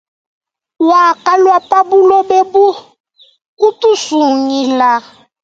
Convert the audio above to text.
Wakalwa pabuloba bu kutusungila.